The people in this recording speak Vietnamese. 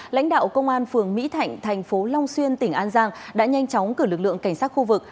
lãnh đạo công an phường mỹ thạnh thành phố long xuyên tỉnh an giang đã nhanh chóng cử lực lượng cảnh sát khu vực